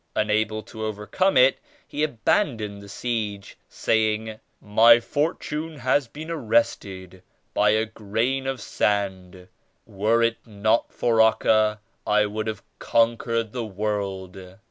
Unable to overcome it he abandoned the siege, saying "My fortune has been arrested by a grain of sand; were it not for Acca I would have con quered the world."